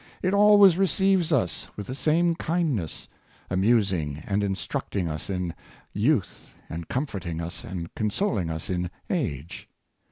It always receives us with the same kindness; amusing and instructing us in youth, and comforting and consoling us in age.